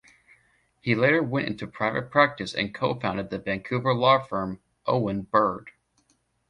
He later went into private practice and co-founded the Vancouver law firm Owen Bird.